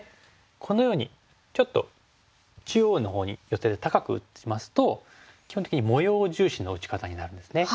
このようにちょっと中央のほうに寄せて高く打ちますと基本的に模様重視の打ち方になるんですね。